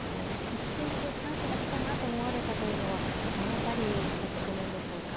一瞬こうチャンスが来たなと思われたというのはどの辺りの局面でしょうか。